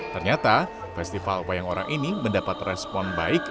ternyata festival wayang orang ini mendapat respon baik